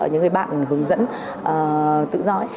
những người bạn hướng dẫn tự do ấy